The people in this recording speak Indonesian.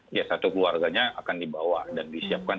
ya satu keluarganya akan dibawa dan disiapkan